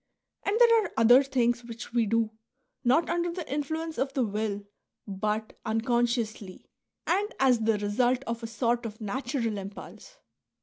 And there are other things which we do, not under the influence of the will, but uncon sciously and as the result of a sort of natural impulse."